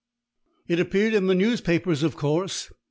It appeared in the newspapers, of course.